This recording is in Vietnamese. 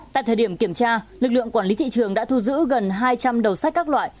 tại thời điểm kiểm tra lực lượng quản lý thị trường đã thu giữ gần hai trăm linh đầu sách các loại